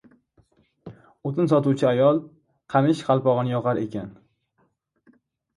• O‘tin sotuvchi ayol qamish qalpog‘ini yoqarkan.